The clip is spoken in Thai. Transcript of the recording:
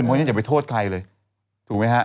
เพราะฉะนั้นอย่าไปโทษใครเลยถูกไหมฮะ